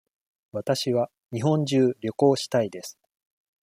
わたしは日本中旅行したいです。